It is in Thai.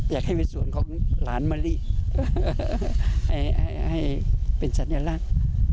อยากให้เป็นส่วนของหลานมะลิให้เป็นสัญลักษณ์